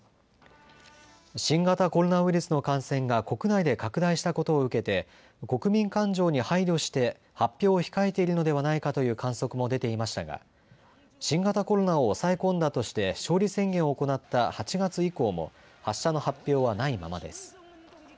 新型コロナウイルスの感染が国内で拡大したことを受けて国民感情に配慮して発表を控えているのではないかという観測も出ていましたが新型コロナを抑え込んだとして勝利宣言を行った８月以降も発射の発表はないままです。